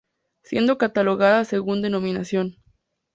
Siendo catalogadas según denominación.